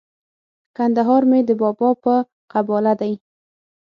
کندهار مي د بابا په قباله دی